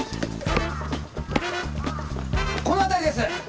この辺りです。